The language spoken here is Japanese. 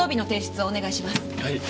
はい。